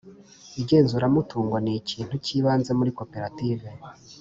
Igenzuramutungo ni ikintu cy ibanze muri koperative